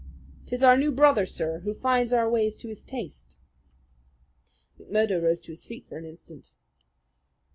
"'Tis our new brother, sir, who finds our ways to his taste." McMurdo rose to his feet for an instant.